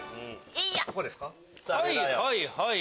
はいはいはい。